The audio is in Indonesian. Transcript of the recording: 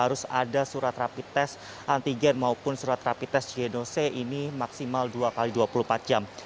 harus ada surat rapi tes antigen maupun surat rapi tes genose ini maksimal dua x dua puluh empat jam